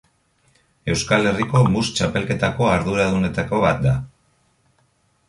Euskal Herriko Mus Txapelketako arduradunetako bat da.